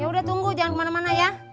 ya udah tunggu jangan kemana mana ya